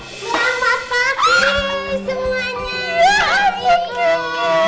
selamat pagi semuanya